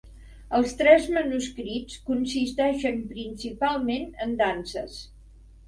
Els tres manuscrits consisteixen principalment en danses.